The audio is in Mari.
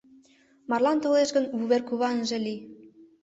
— Марлан толеш гын, вуверкува ынже лий.